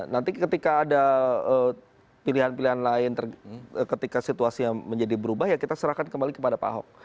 nanti ketika ada pilihan pilihan lain ketika situasinya menjadi berubah ya kita serahkan kembali kepada pak ahok